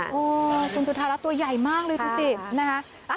โอ้โฮสุนทรภาระตัวใหญ่มากเลยดูสินะคะ